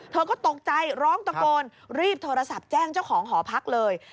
เธอก็ตกใจร้องตะโกนรีบโทรศัพท์แจ้งเจ้าของหอพักเลย